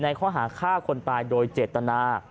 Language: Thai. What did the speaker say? ข้อหาฆ่าคนตายโดยเจตนา